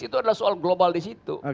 itu adalah soal global disitu